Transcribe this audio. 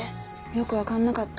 よく分かんなかった。